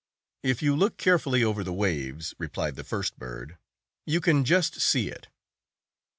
" If you look carefully over the waves," replied the first bird, "you can just see it."